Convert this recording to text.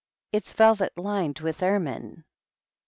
It's velvet, lined with ermine."